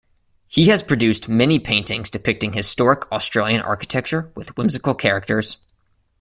He has produced many paintings depicting historic Australian architecture with whimsical characters.